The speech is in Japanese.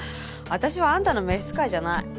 私はあんたの召使じゃない。